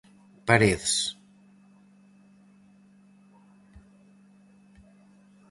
Paredes.